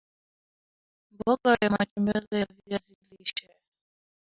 mboga ya matembele ya viazi lishe